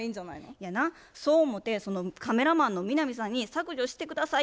いやなそう思てカメラマンの南さんに「削除して下さい」